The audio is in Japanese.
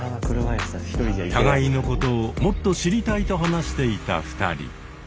互いのことをもっと知りたいと話していた２人。